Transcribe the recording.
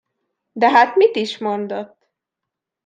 De, hát mit is mondott?